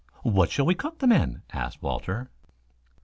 "What shall we cook them in?" asked Walter.